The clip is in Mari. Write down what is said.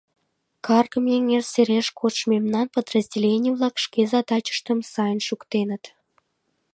Каргыме эҥер сереш кодшо мемнан подразделений-влак шке задачыштым сайын шуктеныт.